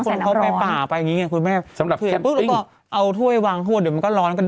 เขาก็เข้าไปป่าไปอย่างงี้ไงคุณแม่สำหรับแคมป์ติ้งเอาถ้วยวางทั่วเดี๋ยวมันก็ร้อนกัน